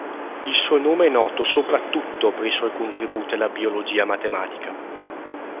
Il suo nome è noto soprattutto per i suoi contributi alla biologia matematica.